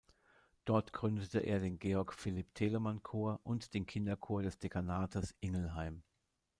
Dort gründete er den "Georg-Philipp-Telemann-Chor" und den Kinderchor des Dekanates Ingelheim.